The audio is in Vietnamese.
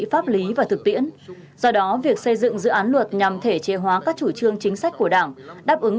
pháp lý và thực tiễn do đó việc xây dựng dự án luật nhằm thể chế hóa các chủ trương chính sách của đảng đáp ứng